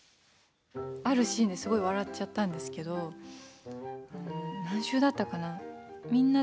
あるシーンですごい笑っちゃったんですけど何週だったかな？